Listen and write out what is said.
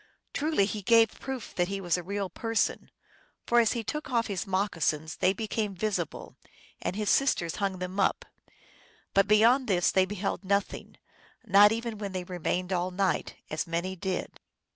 Truly he gave proof that he was a real person, for as he took off his moccasins they became visible, and his sister hung them up ; but beyond this they beheld nothing not even when they remained all night, as many did.